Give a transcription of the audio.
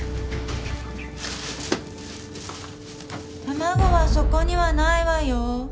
卵はそこにはないわよ。